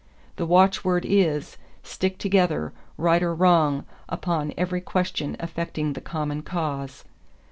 The watchword is, stick together, right or wrong upon every question affecting the common cause.